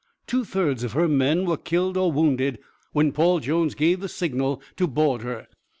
Two thirds of her men were killed or wounded when Paul Jones gave the signal to board her.